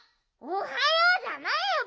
おはようじゃないよ